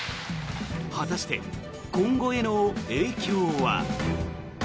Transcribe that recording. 果たして、今後への影響は。